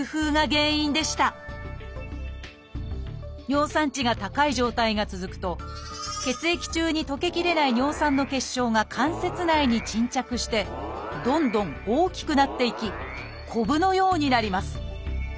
尿酸値が高い状態が続くと血液中に溶けきれない尿酸の結晶が関節内に沈着してどんどん大きくなっていきこぶのようになります。